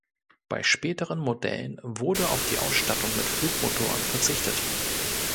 Bei späteren Modellen wurde auf die Ausstattung mit Flugmotoren verzichtet.